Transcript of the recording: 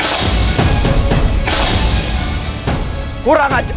tapi kami sudah punya calon raja baru